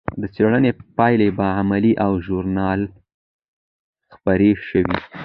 د څېړنې پایلې په علمي ژورنال خپرې شوې.